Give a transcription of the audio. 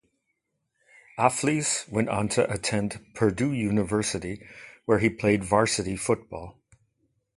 Afflis went on to attend Purdue University, where he played varsity football.